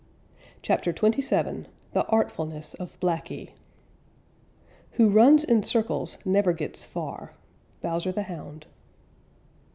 CHAPTER XXVII THE ARTFULNESS OF BLACKY Who runs in circles never gets far. _Bowser the Hound.